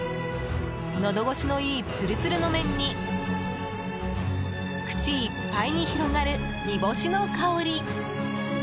のど越しのいいツルツルの麺に口いっぱいに広がる煮干しの香り。